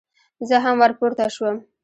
زه هم ور پورته شوم.